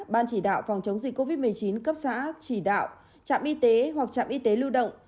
ban chỉ đạo phòng chống dịch covid một mươi chín cấp xã chỉ đạo trạm y tế hoặc trạm y tế lưu động